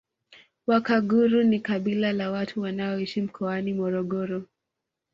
Wakaguru ni kabila la watu wanaoishi mkoani Morogoro